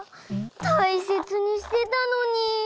たいせつにしてたのに。